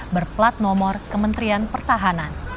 berplat nomor kementerian pertahanan